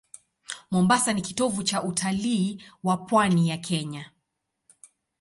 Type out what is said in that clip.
Mombasa ni kitovu cha utalii wa pwani ya Kenya.